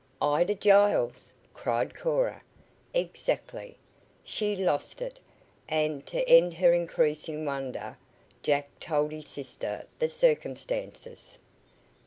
"Ida Giles!" cried Cora. "Exactly. She lost it," and to end her increasing wonder, Jack told his sister the circumstances.